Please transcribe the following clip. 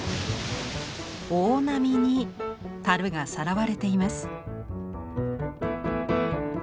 大波に樽がさらわれています。